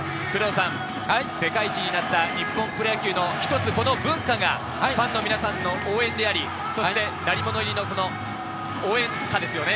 世界一になった日本プロ野球の一つ、この文化がファンの皆さんの応援であり、鳴り物入りの応援歌ですね。